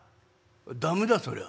「駄目だそりゃ。